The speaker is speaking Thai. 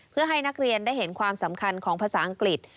เพื่อให้นักเรียนได้เห็นความสำคัญของภาษาอังกฤษ